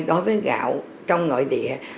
đối với gạo trong nội địa